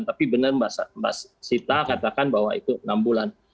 tapi benar mbak sita katakan bahwa itu enam bulan